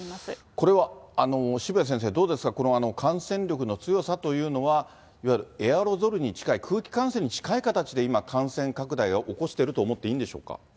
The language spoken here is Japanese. これは渋谷先生、どうですか、この感染力の強さというのは、いわゆるエアロゾルに近い、空気感染に近い形で今、感染拡大を起こしていると思っていいんでしょうか。